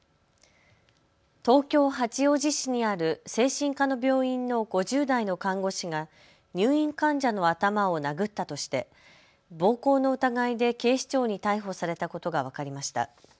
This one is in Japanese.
東京八王子市にある精神科の病院の５０代の看護師が入院患者の頭を殴ったとして暴行の疑いで警視庁に逮捕されたことが分かりました。